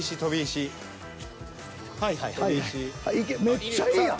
めっちゃいいやん。